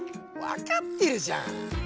わかってるじゃん。